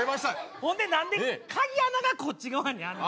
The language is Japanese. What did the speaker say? ほんで何で鍵穴がこっち側にあんねん。